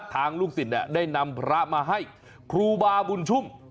ลูกศิษย์ได้นำพระมาให้ครูบาบุญชุ่ม